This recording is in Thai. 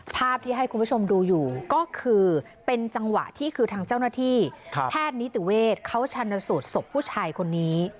ภาพที่ให้คุณผู้ชมดูอยู่ก็คือเป็นจังหวะที่คือทางเจ้าหน้าที่แพทย์นิติเวศเขาชันสูตรศพผู้ชายคนนี้